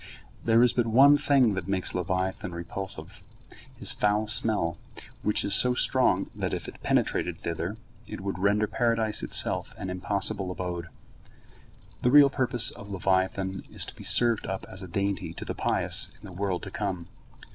There is but one thing that makes leviathan repulsive, his foul smell: which is so strong that if it penetrated thither, it would render Paradise itself an impossible abode. The real purpose of leviathan is to be served up as a dainty to the pious in the world to come.